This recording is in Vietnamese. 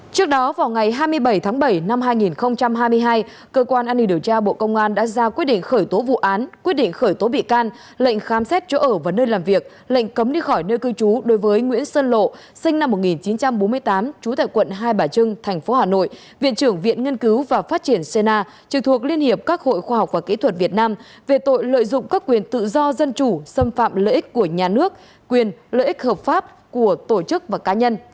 trước đó vào ngày hai mươi bảy tháng bảy năm hai nghìn hai mươi hai cơ quan an ninh điều tra bộ công an đã ra quyết định khởi tố vụ án quyết định khởi tố bị can lệnh khám xét chỗ ở và nơi làm việc lệnh cấm đi khỏi nơi cư trú đối với nguyễn sơn lộ sinh năm một nghìn chín trăm bốn mươi tám trú tại quận hai bà trưng thành phố hà nội viện trưởng viện nghiên cứu và phát triển sê na trực thuộc liên hiệp các hội khoa học và kỹ thuật việt nam về tội lợi dụng các quyền tự do dân chủ xâm phạm lợi ích của nhà nước quyền lợi ích hợp pháp của tổ chức